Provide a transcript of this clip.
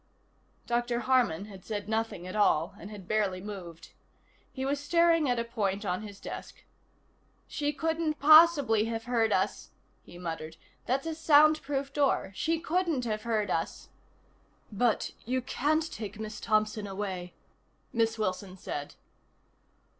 Dr. Harman had said nothing at all, and had barely moved. He was staring at a point on his desk. "She couldn't possibly have heard us," he muttered. "That's a soundproof door. She couldn't have heard us." "But you can't take Miss Thompson away," Miss Wilson said.